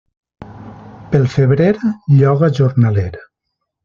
Pel febrer lloga jornaler.